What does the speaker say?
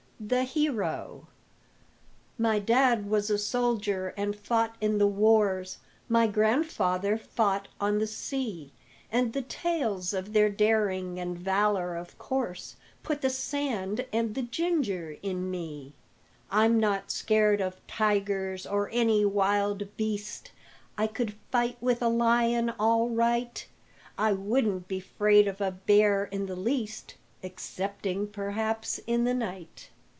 THE HERO My dad was a soldier and fought in the wars, My grandfather fought on the sea, And the tales of their daring and valor of course Put the sand and the ginger in me. I'm not scared of tigers or any wild beast, I could fight with a lion all right, I wouldn't be 'fraid of a bear in the least Excepting, perhaps, in the night.